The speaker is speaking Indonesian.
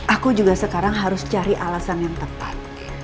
aku juga sekarang harus cari alasan yang tepat